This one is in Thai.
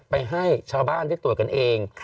ให้ชาวบ้านได้ตรวจกันเอง